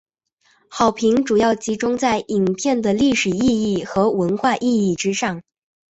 好评主要集中在影片的历史意义和文化意义之上。